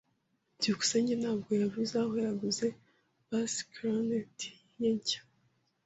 byukusenge ntabwo yavuze aho yaguze bass Clarinet ye nshya.